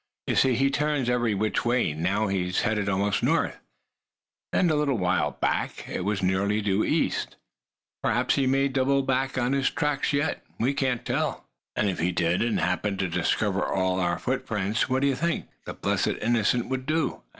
You see, he turns every which way. Now he's heading almost north; and a little while back it was nearly due east. Perhaps he may double on his tracks yet; we can't tell." "And if he did, and happened to discover all our footprints, what d'ye think the blessed innocent would do?"